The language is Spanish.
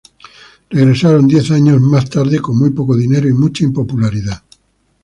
Regresaron diez años más tarde con muy poco dinero y mucha impopularidad.